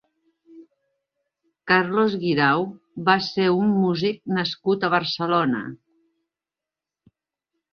Carlos Guirao va ser un músic nascut a Barcelona.